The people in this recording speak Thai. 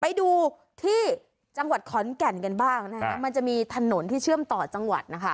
ไปดูที่จังหวัดขอนแก่นกันบ้างนะฮะมันจะมีถนนที่เชื่อมต่อจังหวัดนะคะ